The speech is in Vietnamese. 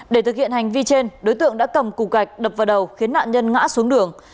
để thực hiện hành vi trên đối tượng đã cầm cục gạch đập vào đầu khiến nạn nhân ngã xuống đường